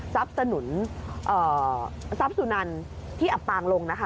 สนุนทรัพย์สุนันที่อับปางลงนะคะ